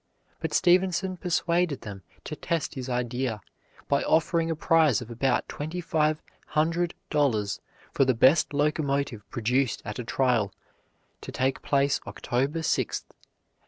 But Stephenson persuaded them to test his idea by offering a prize of about twenty five hundred dollars for the best locomotive produced at a trial to take place October 6, 1829.